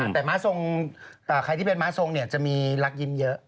แต่ม้าทรงใครที่เป็นม้าทรงจะมีรักยิ้มเยอะ